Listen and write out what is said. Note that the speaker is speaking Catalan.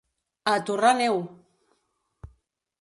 A torrar neu!